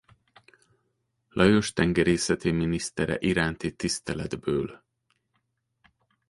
Lajos tengerészeti minisztere iránti tiszteletből.